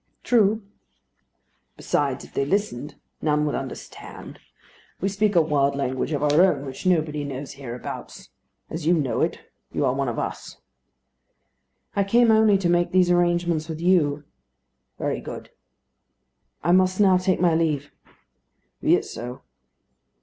El viento es el viento." "Mucho." speak a wild language of our own, which nobody knows hereabouts. As you know it, you are one of us." "I came only to make these arrangements with you." "Very good." "I must now take my leave." "Be it so."